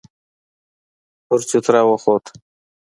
پر چوتره وخوت.